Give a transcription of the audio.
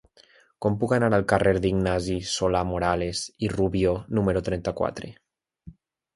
Com puc anar al carrer d'Ignasi de Solà-Morales i Rubió número trenta-quatre?